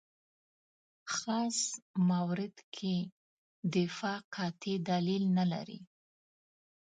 خاص مورد کې دفاع قاطع دلیل نه لري.